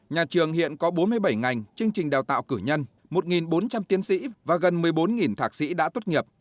nhà trường hiện có bốn mươi bảy ngành chương trình đào tạo cử nhân một bốn trăm linh tiến sĩ và gần một mươi bốn thạc sĩ đã tốt nghiệp